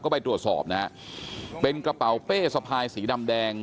ก็ไปตรวจสอบนะฮะเป็นกระเป๋าเป้สะพายสีดำแดง